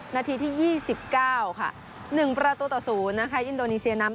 นาทีที่๒๙ค่ะ๑ประตูต่อ๐นะคะอินโดนีเซียนำ